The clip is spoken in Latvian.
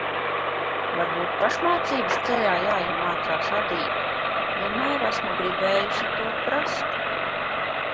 Varbūt pašmācības ceļā jāiemācās adīt? Vienmēr esmu gribējusi to prast.